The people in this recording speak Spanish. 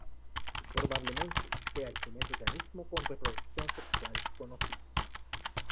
Probablemente sea el primer organismo con reproducción sexual conocido.